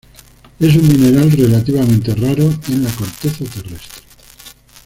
Es un mineral relativamente raro en la corteza terrestre.